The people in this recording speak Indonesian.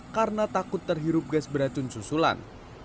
karena takut terhirup gas beracun susulan